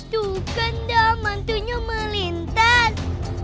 tuh kan dah mantunya melintas